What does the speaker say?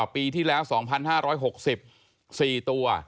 ปีที่แล้ว๒๕๖๔ตัว